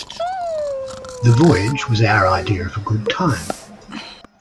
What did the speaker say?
The voyage was our idea of a good time.